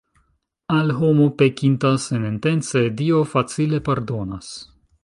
Al homo, pekinta senintence, Dio facile pardonas.